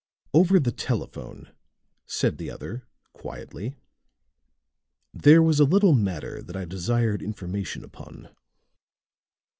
"Over the telephone," said the other, quietly. "There was a little matter that I desired information upon."